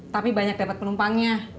tapi banyak dapat penumpangnya